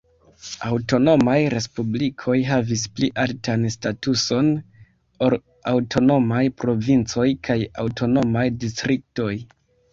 Aŭtonomaj respublikoj havis pli altan statuson ol aŭtonomaj provincoj kaj aŭtonomaj distriktoj.